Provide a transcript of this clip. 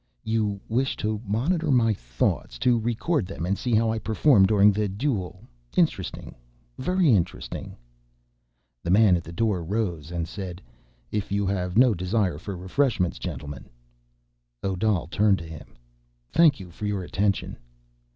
"You wish to monitor my thoughts. To record them and see how I perform during the duel. Interesting. Very interesting—" The man at the door rose and said, "If you have no desire for refreshments, gentlemen—" Odal turned to him. "Thank you for your attention."